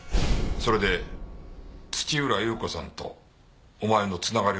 それで土浦裕子さんとお前の繋がりを調べた。